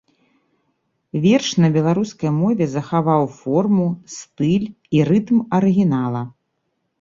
Верш на беларускай мове захаваў форму, стыль і рытм арыгінала.